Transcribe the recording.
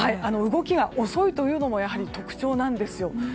動きが遅いというのもやはり特徴なんですよ。